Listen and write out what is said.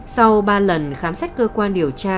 sau ba lần khám xét cơ quan điều tra